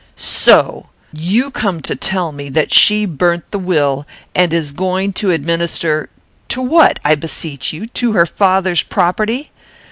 "So! you come to tell me that she burnt the will, and is going to administer to what, I beseech you? To her father's property?